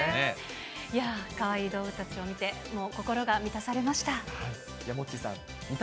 いや、かわいい動物たちを見て、もう心が満たされました。